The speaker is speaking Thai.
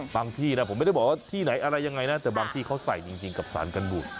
ที่นะผมไม่ได้บอกว่าที่ไหนอะไรยังไงนะแต่บางที่เขาใส่จริงกับสารกันบูด